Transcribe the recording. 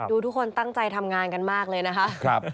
ดูทุกคนตั้งใจทำงานกันมากเลยนะครับครับ